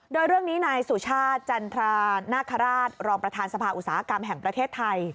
โดยเรื่องนี้นายสุชาติจันทรานาคาราชรองประธานสภาอุตสาหกรรมแห่งประเทศไทย